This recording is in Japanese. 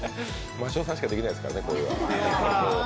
真塩さんしかできないですからね、これは。